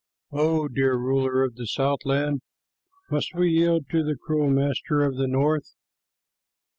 O dear ruler of the southland, must we yield to the cruel master of the north?"